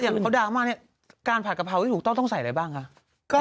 เขาดราม่าเนี่ยการผัดกะเพราที่ถูกต้องต้องใส่อะไรบ้างคะ